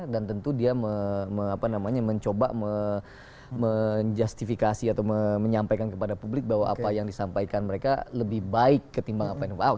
dan tentu dia mencoba menjustifikasi atau menyampaikan kepada publik bahwa apa yang disampaikan mereka lebih baik ketimbang apa yang pak ahok